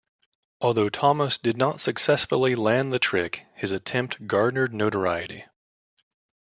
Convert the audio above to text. Although Thomas did not successfully land the trick, his attempt garnered notoriety.